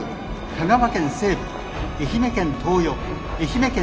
香川県西部愛媛県東予愛媛県